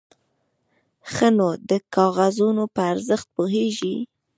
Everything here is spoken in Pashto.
_ښه، نو ته د کاغذونو په ارزښت پوهېږې؟